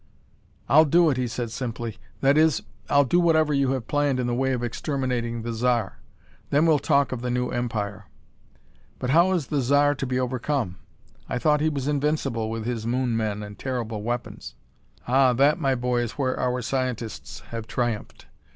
"I'll do it," he said simply. "That is, I'll do whatever you have planned in the way of exterminating the Zar. Then we'll talk of the new empire. But how is the Zar to be overcome? I thought he was invincible, with his Moon men and terrible weapons." "Ah! That, my boy, is where our scientists have triumphed.